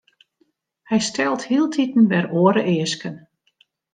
Hy stelt hieltyd wer oare easken.